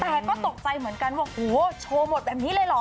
แต่ก็ตกใจเหมือนกันว่าโอ้โหโชว์หมดแบบนี้เลยเหรอ